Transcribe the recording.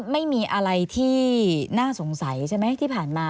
ไม่มีอะไรที่น่าสงสัยใช่ไหมที่ผ่านมา